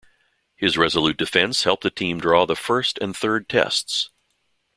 His resolute defence helped the team draw the First and Third Tests.